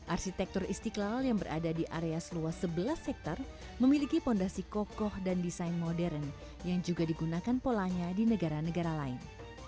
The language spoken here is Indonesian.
arsitektur istiqlal yang berada di area seluas sebelas hektare memiliki fondasi kokoh dan desain modern yang juga digunakan polanya di negara negara lain